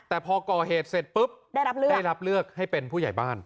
แต่พอก่อเหตุเสร็จปุ๊บได้รับเลือกให้เป็นผู้ใหญ่บ้าน